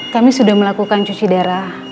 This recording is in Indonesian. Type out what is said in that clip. kami sudah melakukan cuci darah